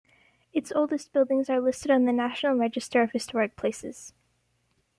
Its oldest buildings are listed on the National Register of Historic Places.